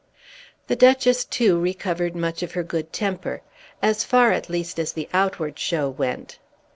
The Duchess too recovered much of her good temper, as far at least as the outward show went.